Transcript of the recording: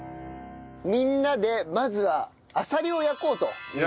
みんなでまずはアサリを焼こうと。